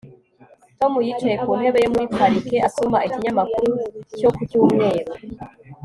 Tom yicaye ku ntebe yo muri parike asoma ikinyamakuru cyo ku cyumweru